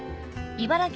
茨城